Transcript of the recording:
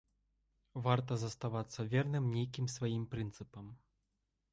Варта заставацца верным нейкім сваім прынцыпам.